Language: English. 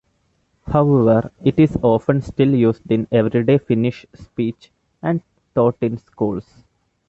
However, it is often still used in everyday Finnish speech and taught in schools.